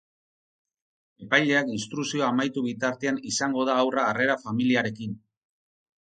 Epaileak instrukzioa amaitu bitartean izango da haurra harrera familiarekin.